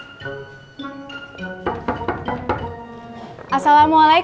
tunggu tunggu itulah seseorang lagi